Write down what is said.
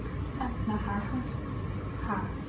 ค่ะก็เท่านี้ค่ะแล้วไม่มีอะไรเหมือนกันครับ